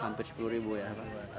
hampir sepuluh ribu ya